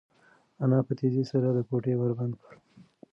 انا په تېزۍ سره د کوټې ور بند کړ.